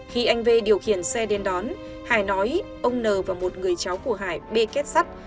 khi anh v điều khiển xe đến đón hải nói ông n và một người cháu của hải bê kết sắt